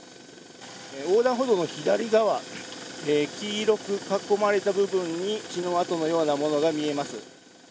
横断歩道の左側、黄色く囲まれた部分に、血の跡のようなものが見えます。